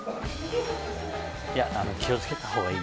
いや気を付けたほうがいい。